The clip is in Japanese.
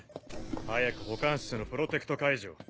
早く保管室のプロテクト解除を。